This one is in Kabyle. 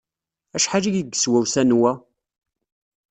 Acḥal ay yeswa usanew-a?